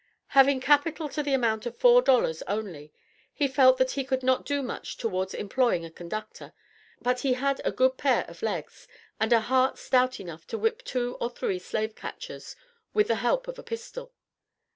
Having capital to the amount of four dollars only, he felt that he could not do much towards employing a conductor, but he had a good pair of legs, and a heart stout enough to whip two or three slave catchers, with the help of a pistol.